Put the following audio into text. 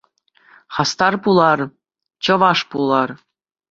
Хастар пулар, чӑваш пулар!